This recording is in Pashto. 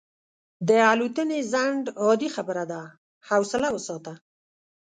د الوتنې ځنډ عادي خبره ده، حوصله وساته.